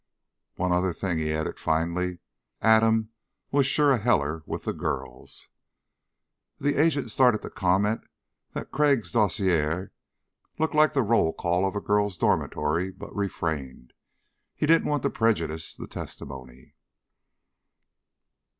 "One other thing," he added finally. "Adam was sure a heller with the girls." The agent started to comment that Crag's dossier looked like the roll call of a girl's dormitory but refrained. He didn't want to prejudice the testimony.